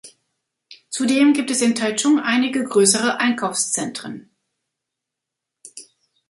Zudem gibt es in Taichung einige größere Einkaufszentren.